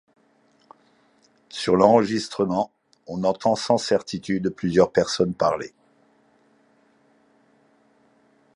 Sur l'enregistrement, on entend sans certitude plusieurs personnes parler.